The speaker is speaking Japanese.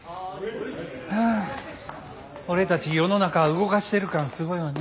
はぁ俺たち世の中動かしてる感すごいわね。